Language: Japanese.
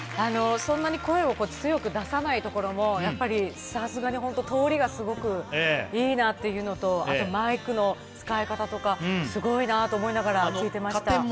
そんなに声を強く出さないところも、さすがに通りがすごくいいなというのと、あと、マイクの使い方とかすごいなと思いながら聴いてました。